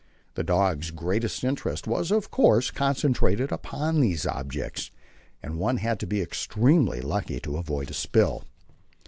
The dogs' greatest interest was, of course, concentrated upon these objects, and one had to be extremely lucky to avoid a spill.